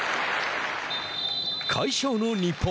快勝の日本。